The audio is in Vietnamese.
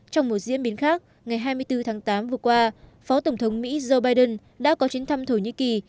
trong một diễn biến khác ngày hai mươi bốn tháng tám vừa qua phó tổng thống mỹ joe biden đã có chuyến thăm thổ nhĩ kỳ